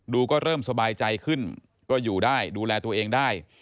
ก็เริ่มสบายใจขึ้นก็อยู่ได้ดูแลตัวเองได้